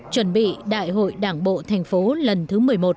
chuẩn bị đại hội đảng bộ thành phố lần thứ một mươi một